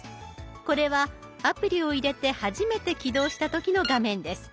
これはアプリを入れて初めて起動した時の画面です。